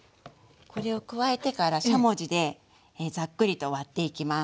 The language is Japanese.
これを加えてからしゃもじでザックリと割っていきます。